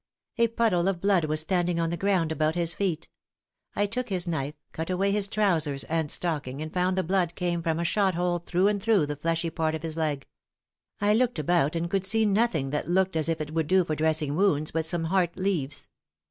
A puddle of blood was standing on the ground about his feet. I took his knife, cut away his trousers and stocking, and found the blood came from a shot hole through and through the fleshy part of his leg. I looked about and could see nothing that looked as if it would do for dressing wounds but some heart leaves.